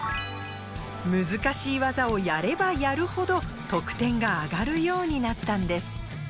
難しい技をやればやるほど得点が上がるようになったんです。